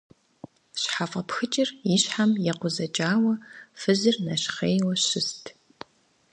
Щхьэфӏэпхыкӏыр и щхьэм екъузэкӏауэ фызыр нэщхъейуэ щыст.